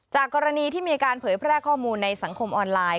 กรณีที่มีการเผยแพร่ข้อมูลในสังคมออนไลน์